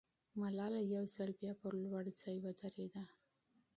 ملاله یو ځل بیا پر لوړ ځای ودرېده.